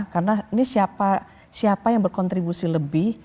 karena ini siapa yang berkontribusi lebih